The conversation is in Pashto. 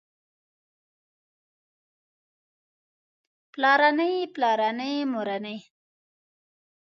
پلارنی پلارني مورنۍ